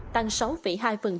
tăng một tỷ usd